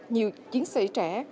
nhiều chiến sĩ trẻ